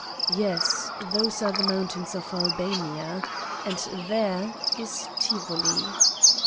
"Yes, those are the mountains of Albania. And there is Tivoli."